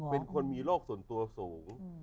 เป็นคนมีโรคส่วนตัวสูง